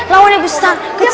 lawanya besar kecil